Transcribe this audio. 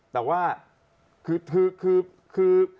แต่ว่าคือคือคือคือ